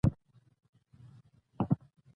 وګړي د افغانستان د تکنالوژۍ پرمختګ سره پوره تړاو لري.